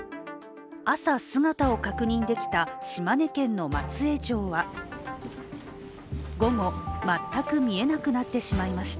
朝、姿を確認できた島根県の松江城は午後、全く見えなくなってしまいました。